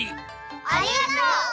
ありがとう！